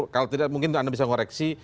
kalau tidak mungkin anda bisa koreksi